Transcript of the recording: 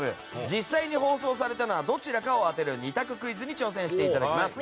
実際に放送されたのはどちらかを当てる２択クイズに挑戦していただきます。